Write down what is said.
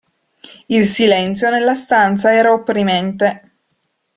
Il silenzio nella stanza era opprimente.